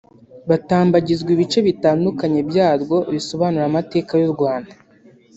batambagizwa ibice bitandukanye byarwo bisobanura amateka y’u Rwanda